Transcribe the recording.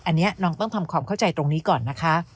อันนี้น้องต้องทำความเข้าใจตรงนี้ก่อนนะคะ